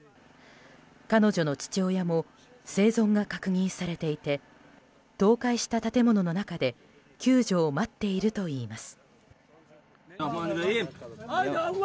彼女の父親も生存が確認されていて倒壊した建物の中で救助を待っているといいます。